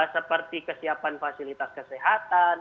seperti kesiapan fasilitas kesehatan